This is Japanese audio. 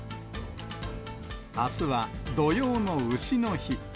あすは土用のうしの日。